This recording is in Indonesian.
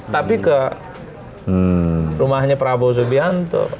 tapi ke rumahnya prabowo subianto